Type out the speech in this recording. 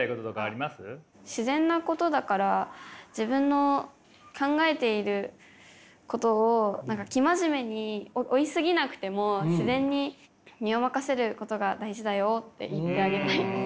自然なことだから自分の考えていることを何か生真面目に追い過ぎなくても自然に身を任せることが大事だよって言ってあげたいですね。